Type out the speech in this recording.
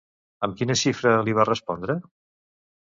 Amb quina xifra li va respondre?